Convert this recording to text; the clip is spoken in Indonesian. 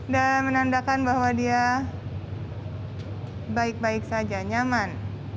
dan menandakan bahwa dia baik baik saja nyaman